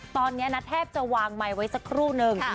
ตอนนี้นะแทบจะวางไมค์ไว้สักครู่นึง